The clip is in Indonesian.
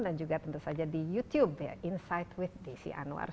dan juga tentu saja di youtube insight with desi anwar